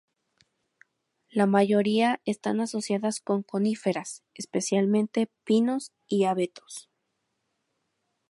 La mayoría están asociadas con coníferas, especialmente pinos y abetos.